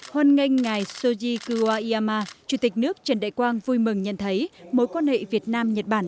hôn ngay ngài soji kuwa iyama chủ tịch nước trần đại quang vui mừng nhận thấy mối quan hệ việt nam nhật bản